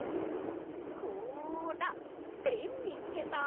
ほらペンみつけた！